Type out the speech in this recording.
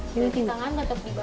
ini di tangan atau di bawah